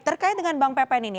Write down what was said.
terkait dengan bang pepen ini